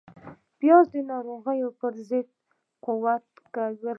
پیاز د ناروغیو پر ضد قوت ورکوي